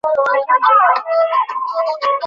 তুমি কোন আমি?